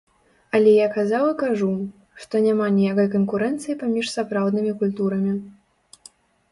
Але я казаў і кажу, што няма ніякай канкурэнцыі паміж сапраўднымі культурамі.